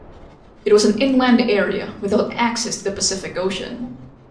It was an inland area, without access to the Pacific Ocean.